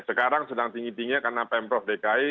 sekarang sedang tinggi tinggi karena pemprov dki